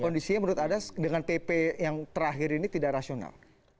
kondisinya menurut anda dengan pp yang terakhir ini tidak rasional